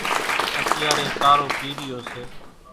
اتيارين ڪارو پِيرِيو سي۔